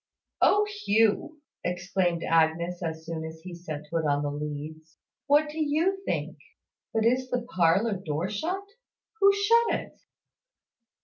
"O Hugh!" exclaimed Agnes, as soon as he set foot on the leads. "What do you think? But is the parlour door shut? Who shut it?"